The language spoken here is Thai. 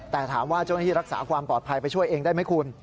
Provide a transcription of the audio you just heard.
แต่ถามว่าเจ้าหน้าที่รักษาความปลอดภัยไปช่วยเองได้ไหมคุณ